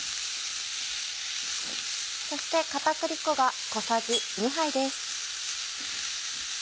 そして片栗粉が小さじ２杯です。